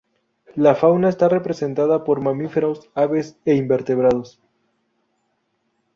La fauna está representada por mamíferos, aves e invertebrados.